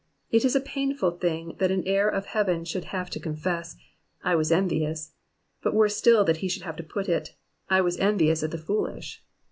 It is a pitiful thing that an heir of heaven should have to confess I was envious,'* but worse still that he should have to put it, I was envious at the foolish."